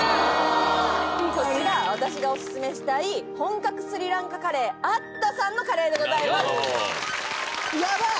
こちら私がオススメしたい本格スリランカカレーＡＤＤＡさんのカレーでございますヤバい！